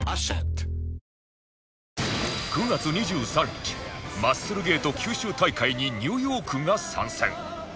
９月２３日マッスルゲート九州大会にニューヨークが参戦！